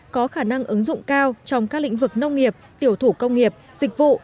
có khả năng ứng dụng cao trong các lĩnh vực nông nghiệp tiểu thủ công nghiệp dịch vụ